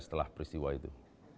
setelah peristiwa itu